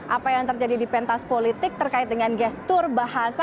apa yang terjadi di pentas politik terkait dengan gestur bahasa